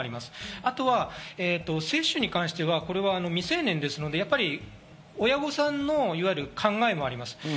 あとは接種に関しては、これは未成年ですので、親御さんの考えもあります。